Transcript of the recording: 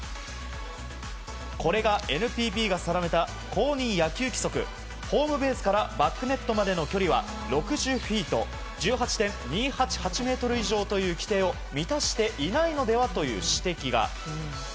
これがＮＰＢが定めた公認野球規則ホームベースからバックネットまでの距離は６０フィート１８．２８８ｍ以上という規定を満たしていないのではという指摘が。